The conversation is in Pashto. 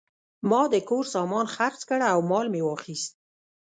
ما د کور سامان خرڅ کړ او مال مې واخیست.